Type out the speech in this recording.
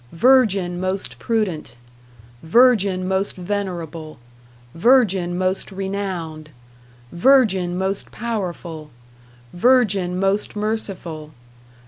Virgin most prudent. Virgin most venerable. Virgin most renowned. Virgin most powerful. Virgin most merciful.